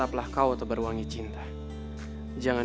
adalah satu video